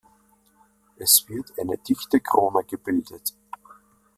Es wird eine dichte Krone gebildet.